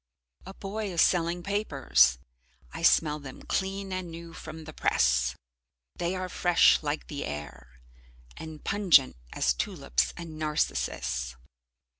A boy is selling papers, I smell them clean and new from the press. They are fresh like the air, and pungent as tulips and narcissus.